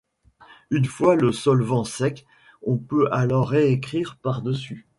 Une fois le solvant sec, on peut alors réécrire par-dessus.